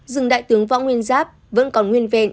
rừng đại tướng võ nguyên giáp vẫn còn nguyên vẹn